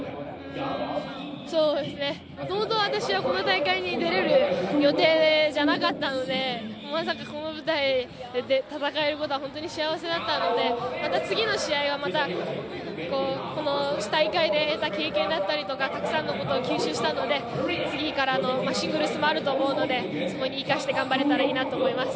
もともと私はこの大会に出れる予定じゃなかったのでまさか、この舞台で戦えることは本当に幸せだったのでまた次の試合は、またこの大会で得た経験だったりたくさんのことを吸収したのでシングルスもあると思うのでそこに生かせて頑張れたらいいなと思います。